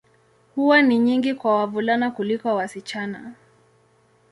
Huwa ni nyingi kwa wavulana kuliko wasichana.